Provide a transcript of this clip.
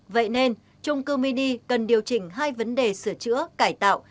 vậy nên trung cư mini cần điều chỉnh hai vấn đề sửa chữa cải tạo